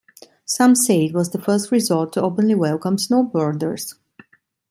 Some say it was the first resort to openly welcome snowboarders.